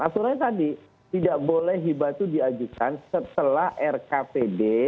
aturannya tadi tidak boleh hibah itu diajukan setelah rkpd